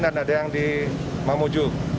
dan ada yang di mamuju